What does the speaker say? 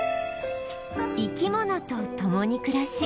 生き物と共に暮らし